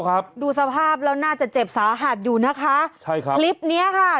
ครับดูสภาพแล้วน่าจะเจ็บสาหัสอยู่นะคะใช่ครับคลิปเนี้ยค่ะ